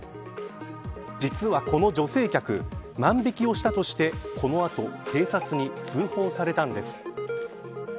実は、この女性客万引きをしたとしてこの後警察に通報されたんです。